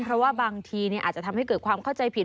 เพราะว่าบางทีอาจจะทำให้เกิดความเข้าใจผิด